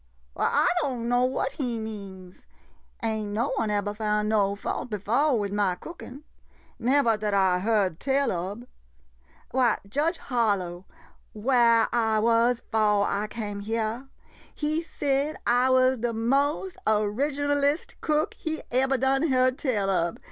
Why, I don' know what he means. Ain' no one ebber found no fault befo' wid ma cookin' — nevah dat I heard tell ob. Why, Judge Harlow — whah I was 'fo' I came hyah — he said I was de mo^ original est cook he ebber done heard tell ob.